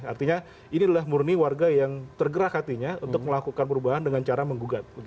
artinya ini adalah murni warga yang tergerak hatinya untuk melakukan perubahan dengan cara menggugat